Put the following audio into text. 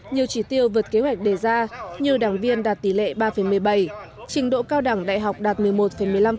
nhiều chỉ tiêu vượt kế hoạch đề ra như đảng viên đạt tỷ lệ ba một mươi bảy trình độ cao đẳng đại học đạt một mươi một một mươi năm